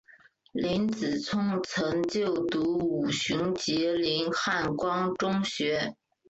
林子聪曾就读五旬节林汉光中学。